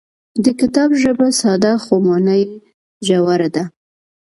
د کتاب ژبه ساده خو مانا یې ژوره ده.